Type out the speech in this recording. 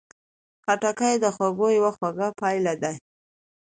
خټکی د خوړو یوه خواږه پایه ده.